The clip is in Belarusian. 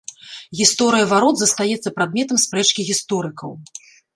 Гісторыя варот застаецца прадметам спрэчкі гісторыкаў.